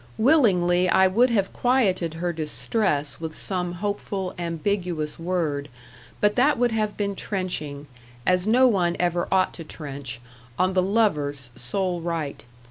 Willingly I would have quieted her distress with some hopeful, ambiguous word, but that would have been trenching, as no one ever ought to trench, on the lover's sole right.